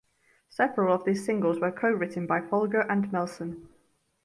Several of these singles were co-written by Folger and Melson.